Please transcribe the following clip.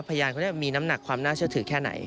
พยานคนนี้มีน้ำหนักความน่าเชื่อถือแค่ไหน